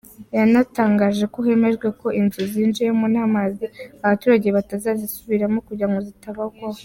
Yanatangaje ko hemejwe ko inzu zinjiyemo n’amazi abaturage batazisubiramo kugira ngo zitabagwaho.